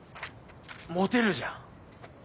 モテるじゃん！